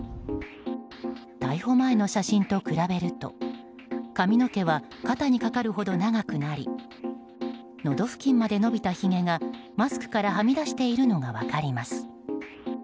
逮捕前の写真と比べると髪の毛は肩にかかるほど長くなりのど付近まで伸びたひげがマスクからはみ出しているのが分かります。